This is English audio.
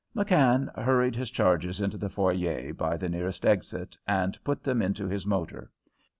McKann hurried his charges into the foyer by the nearest exit and put them into his motor.